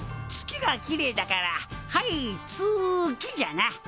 月がきれいだからはいつきじゃな。